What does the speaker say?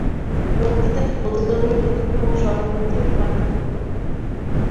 বক্তৃতাটি বৌদ্ধধর্মের প্রতি খুব সহানুভূতিশীল ও পাণ্ডিত্যপূর্ণ।